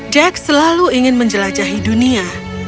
jack selalu ingin menjelajahi dunia